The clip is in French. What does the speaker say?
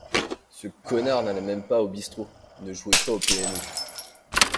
Ce connard n’allait même pas au bistrot, ne jouait pas au PMU